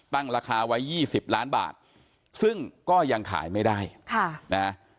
ตั้งราคาไว้๒๐ล้านบาทซึ่งก็ยังขายไม่ได้ค่ะนะ